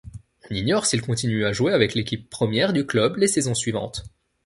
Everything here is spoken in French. On ignore s'il continue à jouer avec l'équipe première du club les saisons suivantes.